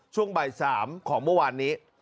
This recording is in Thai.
ช่วงบ่าย๓ของเมื่อวานนี้